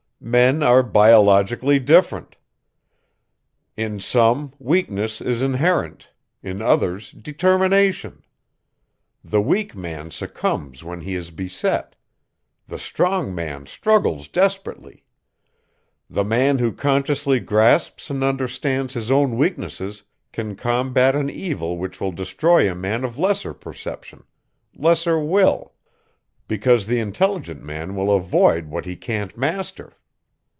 Men are biologically different. In some weakness is inherent, in others determination. The weak man succumbs when he is beset. The strong man struggles desperately. The man who consciously grasps and understands his own weaknesses can combat an evil which will destroy a man of lesser perception, lesser will; because the intelligent man will avoid what he can't master.